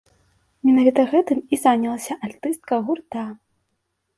Менавіта гэтым і занялася альтыстка гурта.